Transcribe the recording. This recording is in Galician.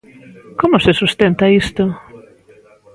¿Como se sustenta isto?